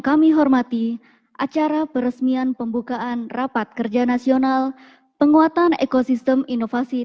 kami hormati acara peresmian pembukaan rapat kerja nasional penguatan ekosistem inovasi